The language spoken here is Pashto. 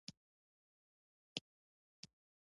روژه کې باید مسلمان د صدقې ورکړه زیاته کړی.